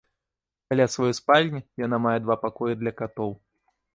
Каля сваёй спальні яна мае два пакоі для катоў.